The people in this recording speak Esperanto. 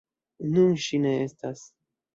Nun ŝi ne estas.